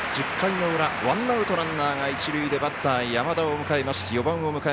１０回の裏、ワンアウトランナーが一塁でバッター、４番の山田を迎えます。